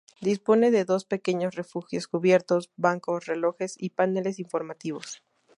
Dispone de dos pequeños refugios cubiertos, bancos, relojes y paneles informativos.